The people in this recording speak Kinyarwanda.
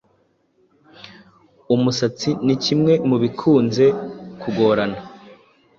Umusatsi ni kimwe mubikunze kugorana